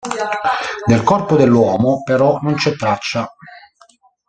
Del corpo dell'uomo, però, non c'è traccia.